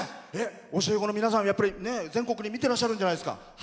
教え子の皆さん全国に見てらっしゃるんじゃないですか？